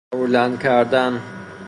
قرولند کردن